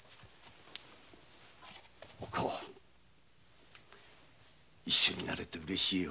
お甲一緒になれてうれしいよ。